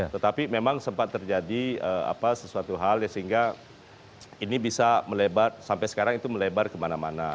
tetapi memang sempat terjadi sesuatu hal ya sehingga ini bisa melebar sampai sekarang itu melebar kemana mana